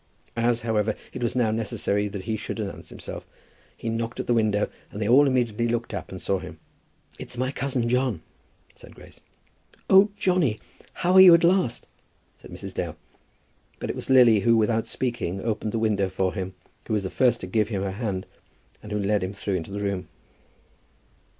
As, however, it was now necessary that he should announce himself, he knocked at the window, and they all immediately looked up and saw him. "It's my cousin John," said Grace. "Oh, Johnny, how are you at last?" said Mrs. Dale. But it was Lily who, without speaking, opened the window for him, who was the first to give him her hand, and who led him through into the room.